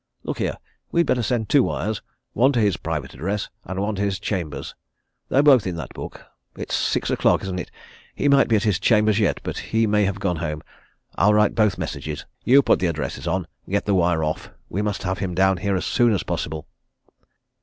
Look here! we'd better send two wires, one to his private address, and one to his chambers. They're both in that book. It's six o'clock, isn't it? he might be at his chambers yet, but he may have gone home. I'll write both messages you put the addresses on, and get the wire off we must have him down here as soon as possible."